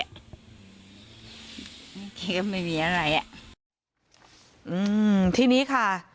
ก็ไม่รู้น่ะเห็นแก่ก็ปกติดีอ่ะไม่มีอะไรอ่ะอืมที่นี้ค่ะ